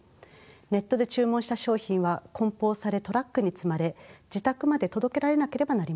ネットで注文した商品は梱包されトラックに積まれ自宅まで届けられなければなりません。